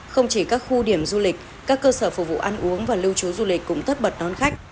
không chỉ các khu điểm du lịch các cơ sở phục vụ ăn uống và lưu trú du lịch cũng tất bật đón khách